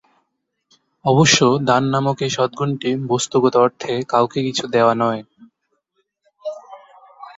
অবশ্য দান নামক এই সদগুণটি বস্ত্তগত অর্থে কাউকে কিছু দেয়া নয়।